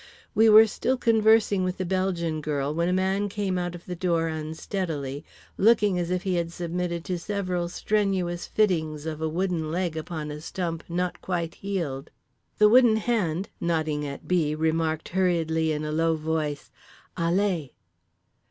We were still conversing with the Belgian girl when a man came out of the door unsteadily, looking as if he had submitted to several strenuous fittings of a wooden leg upon a stump not quite healed. The Wooden Hand, nodding at B., remarked hurriedly in a low voice: "_Allez!